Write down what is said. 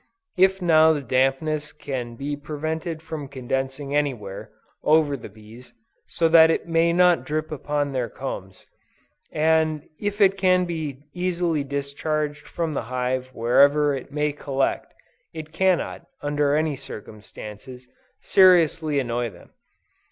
If now the dampness can be prevented from condensing any where, over the bees, so that it may not drip upon their combs, and if it can be easily discharged from the hive wherever it may collect, it cannot, under any circumstances, seriously annoy them.